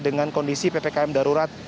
dengan kondisi ppkm darurat